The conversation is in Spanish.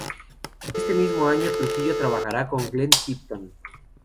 Este mismo año Trujillo trabajará con Glenn Tipton.